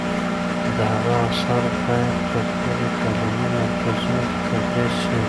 د هغه آثار باید په ټولو تعلیمي مرکزونو کې تدریس شي.